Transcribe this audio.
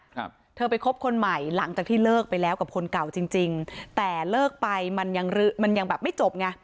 ครับเธอไปคบคนใหม่หลังจากที่เลิกไปแล้วกับคนเก่าจริงจริงแต่เลิกไปมันยังมันยังแบบไม่จบไง